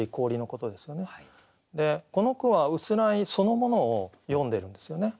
でこの句は薄氷そのものを詠んでるんですよね。